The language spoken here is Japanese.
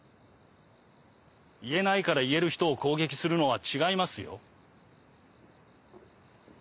言えないから言える人を攻撃するのは違いますよ。